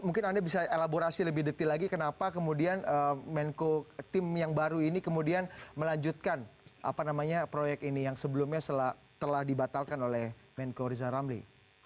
mungkin anda bisa elaborasi lebih detil lagi kenapa kemudian menko tim yang baru ini kemudian melanjutkan proyek ini yang sebelumnya telah dibatalkan oleh menko riza ramli